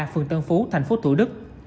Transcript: phường tân phú thành phố thủ đức